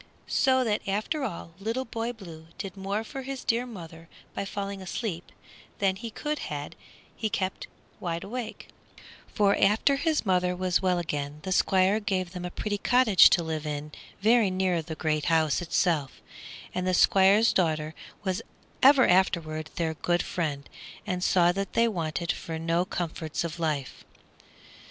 So that after all Little Boy Blue did more for his dear mother by falling asleep than he could had he kept wide awake; for after his mother was well again the Squire gave them a pretty cottage to live in very near to the great house itself, and the Squire's daughter was ever afterward their good friend, and saw that they wanted for no comforts of life.